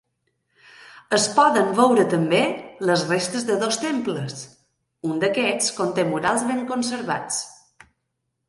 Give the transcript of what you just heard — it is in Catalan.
Es poden veure també les restes de dos temples; un d'aquests conté murals ben conservats.